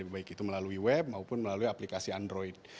baik itu melalui web maupun melalui aplikasi android